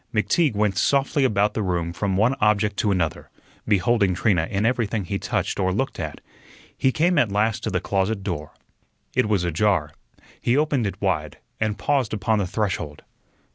McTeague went softly about the room from one object to another, beholding Trina in everything he touched or looked at. He came at last to the closet door. It was ajar. He opened it wide, and paused upon the threshold.